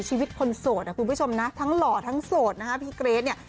ชีวิตคนโสดอ่ะคุณผู้ชมนะทั้งหล่อทั้งโสดนะฮะพี่เกรทเนี่ย